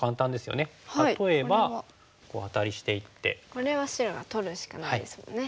これは白が取るしかないですもんね。